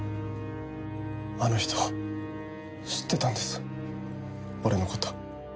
あの人知ってたんです俺の事。